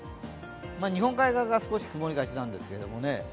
日本海側が少し曇りがちなんですけどね。